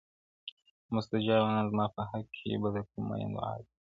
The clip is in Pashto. مستجابه زما په حق کي به د کوم مین دوعا وي,